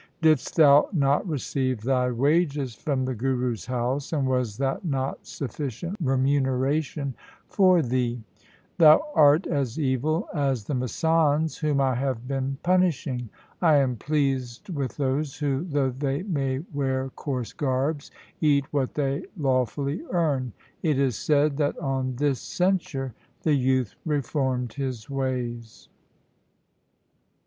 Didst thou not receive thy wages from the Guru's house, and was that not sufficient remuneration for thee ? Thou art as evil as the masands whom I have been punishing. I am pleased with those who, though they may wear coarse garbs, eat what they lawfully earn.' It is said that on this censure the youth reformed his ways.